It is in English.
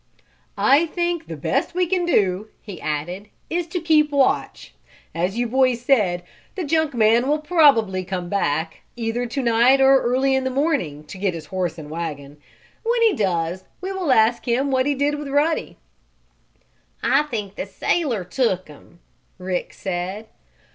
"I think the best we can do," he added, "is to keep watch. As you boys said, the junk man will probably come back, either to night or early in the morning, to get his horse and wagon. When he does we will ask him what he did with Ruddy." "I think the sailor took him," Rick said.